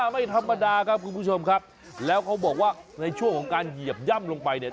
ไม่ธรรมดาครับคุณผู้ชมครับแล้วเขาบอกว่าในช่วงของการเหยียบย่ำลงไปเนี่ย